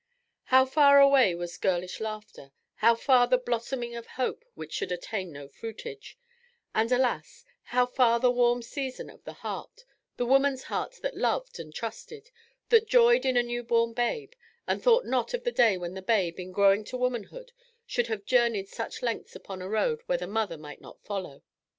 How far away was girlish laughter, how far the blossoming of hope which should attain no fruitage, and, alas, how far the warm season of the heart, the woman's heart that loved and trusted, that joyed in a newborn babe, and thought not of the day when the babe, in growing to womanhood, should have journeyed such lengths upon a road where the mother might not follow.